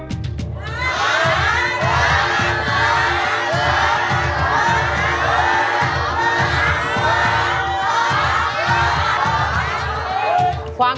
เพลงที่๒มาเลยครับ